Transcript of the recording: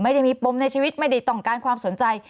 ไม่ได้มีปมในชีวิตไม่ได้ต้องการความสนใจ